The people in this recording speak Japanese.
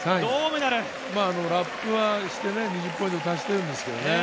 まあ、ラップはしてね、２０ポイント足してるんですけどね。